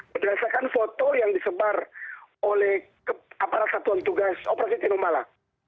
berdasarkan foto yang disebar oleh aparat satuan tugas operasi tinombala